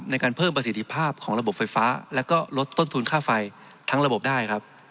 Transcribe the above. ในการเพิ่มประสิทธิภาพของระบบไฟฟ้าแล้วก็ลดต้นทุนค่าไฟทั้งระบบได้ครับ